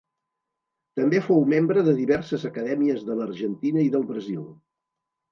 També fou membre de diverses acadèmies de l'Argentina i del Brasil.